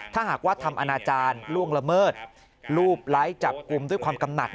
ถ้าหากว่าทำอนาจารย์ล่วงละเมิดรูปไลค์จับกลุ่มด้วยความกำหนัก